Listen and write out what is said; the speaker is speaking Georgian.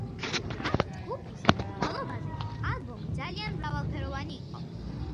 პანკ ჯგუფის კვალობაზე ალბომი ძალიან მრავალფეროვანი იყო.